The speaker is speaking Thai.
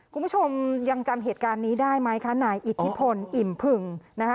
คุณผู้ชมยังจำเหตุการณ์นี้ได้ไหมคะนายอิทธิพลอิ่มผึ่งนะคะ